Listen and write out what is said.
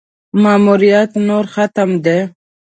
ماموریت نور ختم دی.